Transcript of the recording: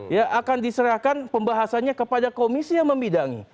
ya akan diserahkan pembahasannya kepada komisi yang membidangi